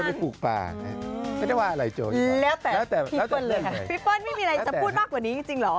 พี่ปั้นไม่มีอะไรจะพูดมากกว่านี้จริงหรอ